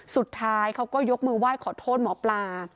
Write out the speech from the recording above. สุดท้ายเขาก็ยกมือไหว้ขอโทษหมอปลา